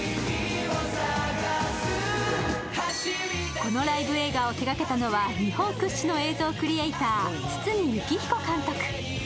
このライブ映画を手がけたのは、日本屈指の映像クリエーター、堤幸彦監督。